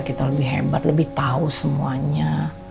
kita lebih hebat lebih tahu semuanya